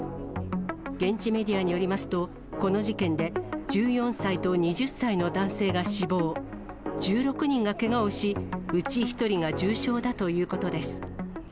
現地メディアによりますと、この事件で１４歳と２０歳の男性が死亡、１６人がけがをし、うち１人が重傷だということです。